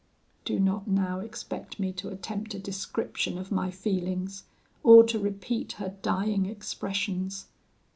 "Do not now expect me to attempt a description of my feelings, or to repeat her dying expressions.